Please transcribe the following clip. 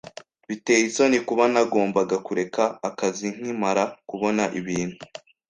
Biteye isoni kuba nagombaga kureka akazi nkimara kubona ibintu